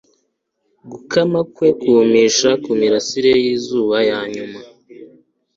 Gukama kwe kumisha kumirasire yizuba ya nyuma